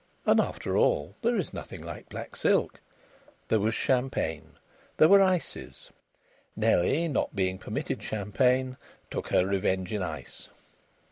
And after all there is nothing like black silk. There was champagne. There were ices. Nellie, not being permitted champagne, took her revenge in ice.